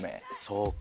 そうか。